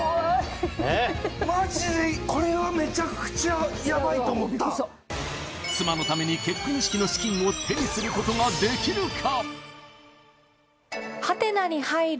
マジでこれはメチャクチャやばいと思った妻のために結婚式の資金を手にすることができるか？